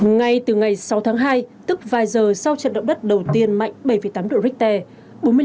ngay từ ngày sáu tháng hai tức vài giờ sau trận động đất đầu tiên mạnh bảy tám độ richter